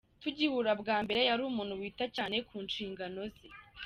Tugihura bwa mbere yari umuntu wita cyane ku nshingano ze.